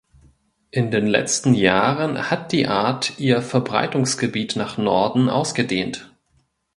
In den letzten Jahren hat die Art ihr Verbreitungsgebiet nach Norden ausgedehnt.